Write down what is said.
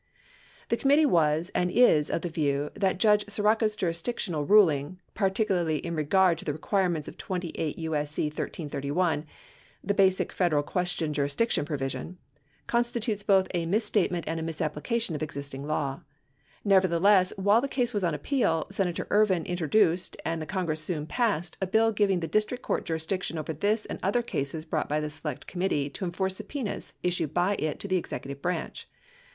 The committee was and is of the view that Judge Sirica's jurisdic tional ruling, particularly in regard to the requirements of 28 TJ.S.C. 6 His opinion is at LA p. 980 et seq. 7 LA p. 999 et seq . 1082 1331 (the basic Federal question jurisdictional provision), consti tutes both a misstatement and a misapplication of existing law. Never theless, while the case was on appeal, Senator Ervin introduced, and the Congress soon passed, a bill giving the district court jurisdiction over this and other cases brought by the Select Committee to enforce subpenas issued by it to the executive branch.